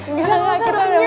engga gak usah